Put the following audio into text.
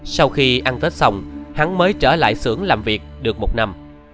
sau khi ăn tết xong hắn mới trở lại xưởng làm việc được một năm